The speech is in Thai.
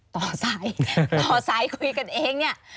ต่อสายคุยกันเองเนี่ย